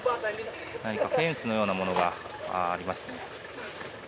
何かフェンスのようなものがありますね。